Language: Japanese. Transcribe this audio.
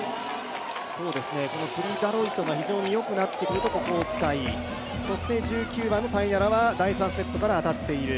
このプリ・ダロイトが非常によくなってくると、ここを使い、そして１９番のタイナラは第３セットから当たっている。